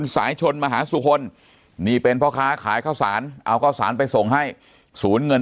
สู่คนนี่เป็นพ่อค้าขายเข้าสารเอาเข้าสารไปส่งให้ศูนย์เงิน